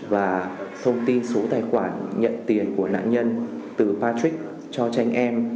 và thông tin số tài khoản nhận tiền của nạn nhân từ patrix cho tranh em